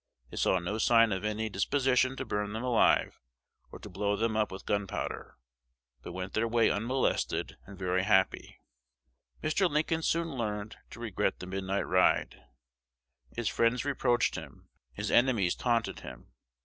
They saw no sign of any disposition to burn them alive, or to blow them up with gunpowder, but went their way unmolested and very happy. Mr. Lincoln soon learned to regret the midnight ride. His friends reproached him, his enemies taunted him.